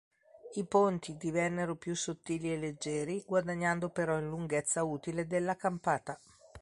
I ponti divennero più sottili e leggeri, guadagnando però in lunghezza utile della campata.